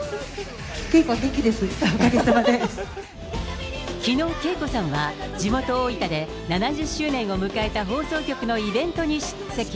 ＫＥＩＫＯは元気です、きのう、ＫＥＩＫＯさんは地元大分で、７０周年を迎えた放送局のイベントに出席。